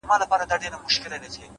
پوهه د انسان تلپاتې ملګرې ده،